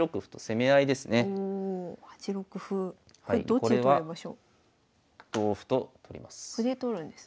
これは同歩と取ります。